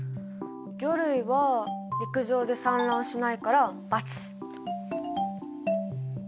魚類は陸上で産卵しないから×。